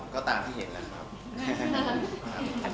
ก็ตามที่เห็นแหละครับ